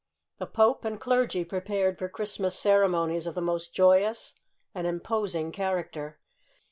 The Pope and clergy prepared for Christmas cere monies of the most joyous and imposing character.